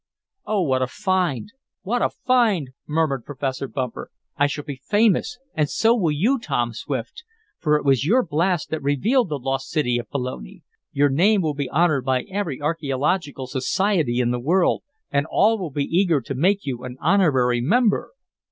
"Oh, what a find! What a find!" murmured Professor Bumper. "I shall be famous! And so will you, Tom Swift. For it was your blast that revealed the lost city of Pelone. Your name will be honored by every archeological society in the world, and all will be eager to make you an honorary member."